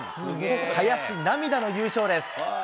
林、涙の優勝です。